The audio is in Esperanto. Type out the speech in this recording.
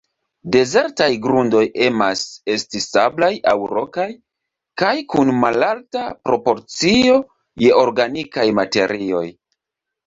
Dezertaj grundoj emas esti sablaj aŭ rokaj, kaj kun malalta proporcio je organikaj materioj.